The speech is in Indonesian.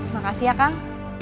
makasih ya kang